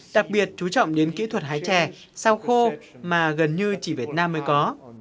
đặc biệt chú trọng đến kỹ thuật hái chè sao khô mà gần như chỉ việt nam mới có